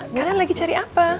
kalian lagi cari apa